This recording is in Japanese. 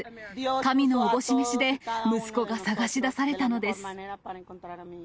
神の思し召しで、息子が捜し出されたのです。